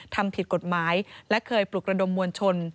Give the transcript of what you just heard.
ทำผิดกฎหมายและเคยปลุกระดมมวลชน